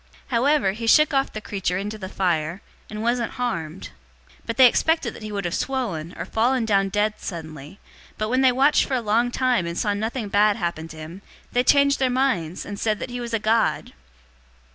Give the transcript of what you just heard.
028:005 However he shook off the creature into the fire, and wasn't harmed. 028:006 But they expected that he would have swollen or fallen down dead suddenly, but when they watched for a long time and saw nothing bad happen to him, they changed their minds, and said that he was a god.